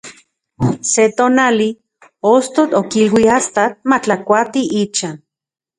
Se tonali, ostotl okilui astatl matlakuati ichan.